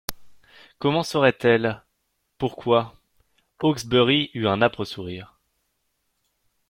Comment saurait-elle ?… Pourquoi ?…» Hawksbury eut un âpre sourire.